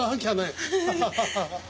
ハハハハ。